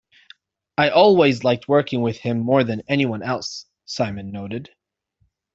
"I always liked working with him more than anyone else," Simon noted.